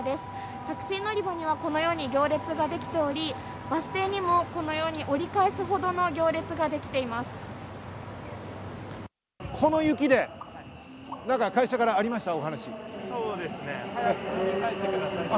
タクシー乗り場にはこのように行列ができており、バス停にもこのように折り返すほどの行列ができています。